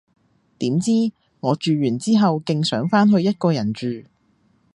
點知，我住完之後勁想返去一個人住